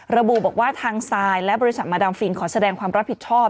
ระบุบอกว่าทางซายและบริษัทมาดามฟินขอแสดงความรับผิดชอบ